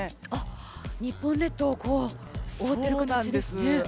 日本列島を覆っている形ですね。